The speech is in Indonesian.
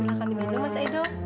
silahkan diminum mas edo